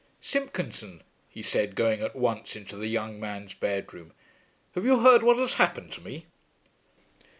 "Simpkinson," he said, going at once into the young man's bed room, "have you heard what has happened to me?"